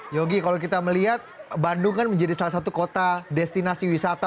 yogi kalau kita melihat bandung kan menjadi salah satu kota destinasi wisata